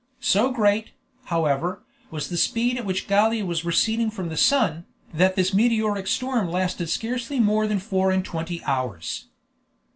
So great, however, was the speed at which Gallia was receding from the sun, that this meteoric storm lasted scarcely more than four and twenty hours.